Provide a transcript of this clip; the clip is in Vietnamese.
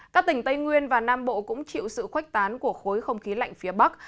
các tỉnh tây nguyên và nam bộ cũng chịu sự khuếch tán của khối không khí lạnh phía bắc